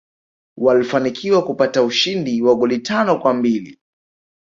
walfanikiwa kupata ushindi wa goli tano kwambili